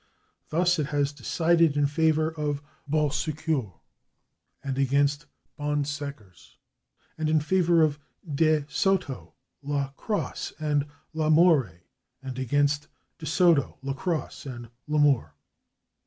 Thus, it has decided in favor of /Bon Secours/ and against /Bonsecours/, and in favor of /De Soto/, /La Crosse/ and /La Moure/, and against /Desoto/, /Lacrosse/ and /Lamoure